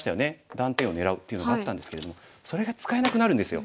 断点を狙うというのがあったんですけれどそれが使えなくなるんですよ。